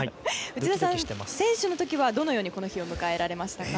内田さん、選手の時はどのようにこの日を迎えられましたか？